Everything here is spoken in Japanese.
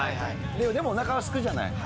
でもおなかがすくじゃない。